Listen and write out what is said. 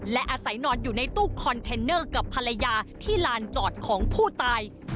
และอาศัยนอนอยู่ในตู้คอนเทนเนอร์กับภรรยาที่ลานจอดของผู้ตาย